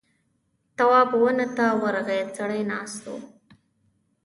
تواب ونه ته ورغی سړی ناست و.